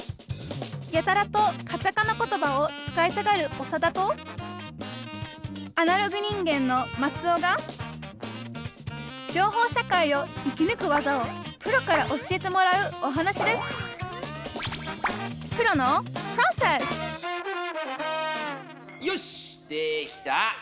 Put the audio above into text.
やたらとカタカナ言葉を使いたがるオサダとアナログ人間のマツオが情報社会を生きぬく技をプロから教えてもらうお話ですよしできた！